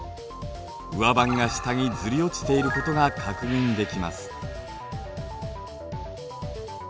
上盤が下にずり落ちていることが確認できます。